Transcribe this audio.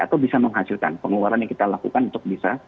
atau bisa menghasilkan pengeluaran yang kita lakukan untuk bisa